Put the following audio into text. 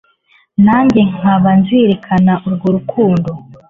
nanjye nkaba nzirikana urwo rukundo.